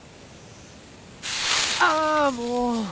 ・ああもう！